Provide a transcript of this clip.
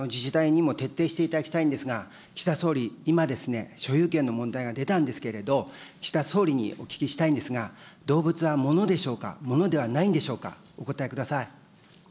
自治体にも徹底していただきたいんですが、岸田総理、今、所有権の問題が出たんですけれども、岸田総理にお聞きしたいんですが、動物は物でしょうか、物ではないんでしょうか。